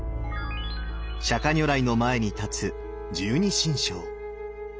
釈如来の前に立つ十二神将。